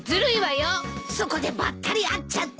そこでばったり会っちゃって。